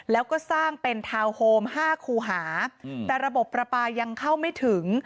แล้วก็สร้างเป็นทาวน์โฮม๕คูหาแต่ระบบประปายังเข้าไม่ถึง